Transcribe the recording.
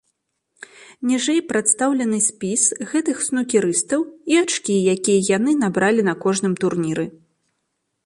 Ніжэй прадстаўлены спіс гэтых снукерыстаў і ачкі, якія яны набралі на кожным турніры.